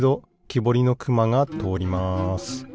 ぼりのくまがとおります。